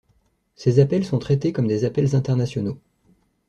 Ces appels sont traités comme des appels internationaux.